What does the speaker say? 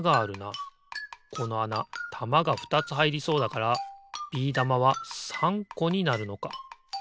このあなたまがふたつはいりそうだからビー玉は３こになるのか。